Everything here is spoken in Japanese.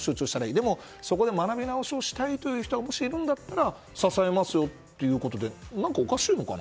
でも、そこで学び直しをしたいという人がもしいるのであれば支えますよということで何かおかしいのかな？